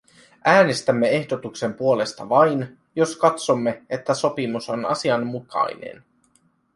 Äänestämme ehdotuksen puolesta vain, jos katsomme, että sopimus on asianmukainen.